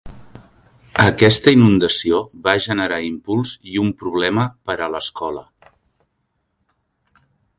Aquesta inundació va generar impuls i un problema per a l'escola.